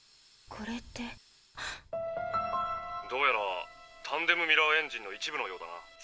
これってはっ⁉どうやらタンデム・ミラーエンジンの一部のようだな。